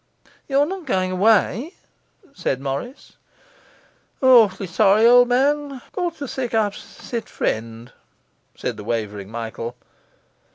'You're not going away?' said Morris. 'Awf'ly sorry, ole man. Got to sit up sick friend,' said the wavering Michael.